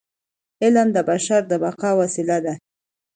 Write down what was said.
علم د بشر د بقاء وسیله ده.